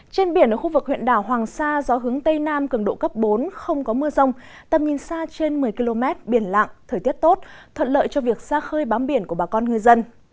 trên biển ở khu vực huyện đảo hoàng sa gió hướng tây nam cường độ cấp bốn không có mưa rông tầm nhìn xa trên một mươi km biển lặng thời tiết tốt thuận lợi cho việc xa khơi bám biển của bà con ngư dân